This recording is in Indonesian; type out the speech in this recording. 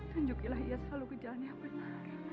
tentukilah ia selalu kejalannya apa saja